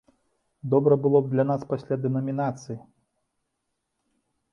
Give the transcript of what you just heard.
Добра было б для нас пасля дэнамінацыі!